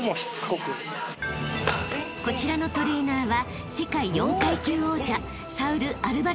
［こちらのトレーナーは］